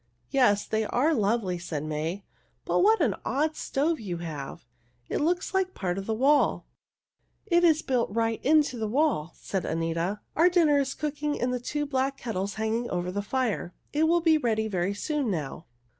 "Yes, they are lovely," said May, "but what an odd stove you have. It looks like a part of the wall." "It is built right into the wall," said Anita. "Our dinner is cooking in the two black kettles hanging over the fire. It will be ready very soon now."